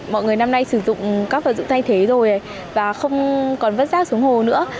mọi người năm nay sử dụng các vật dụng thay thế rồi và không còn vứt rác xuống hồ nữa